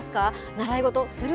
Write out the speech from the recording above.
習い事する？